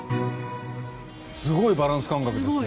すごいバランス感覚ですね。